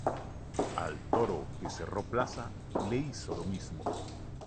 Al toro que cerró plaza le hizo lo mismo.